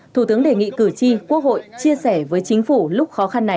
thủ tướng đề nghị cử tri quốc hội chia sẻ với chính phủ lúc khó khăn này